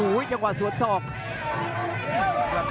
อื้อหือจังหวะขวางแล้วพยายามจะเล่นงานด้วยซอกแต่วงใน